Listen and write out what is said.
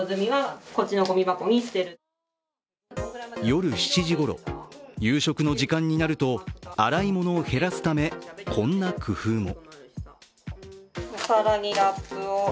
夜７時ごろ、夕食の時間になると洗い物を減らすため、こんな工夫も。